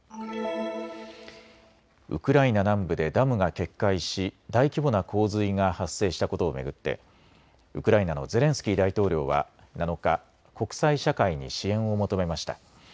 ウクライナ南部でダムが決壊し大規模な洪水が発生したことを巡ってウクライナのゼレンスキー大統領は７日、国際社会に支援を求めました。